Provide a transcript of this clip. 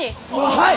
はい！